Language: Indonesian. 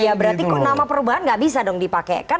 ya berarti nama perubahan enggak bisa dong dipakaikan